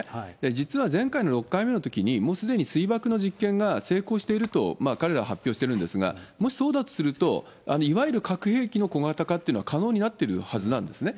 実は前回の６回目のときに、もうすでに水爆の実験が成功してると彼らは発表してるんですが、もしそうだとすると、いわゆる核兵器の小型化っていうのは可能になっているはずなんですね。